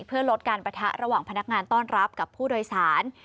เพื่อลดการปะทะระหว่างพนักงานต้อนรับกับผู้โดยสาร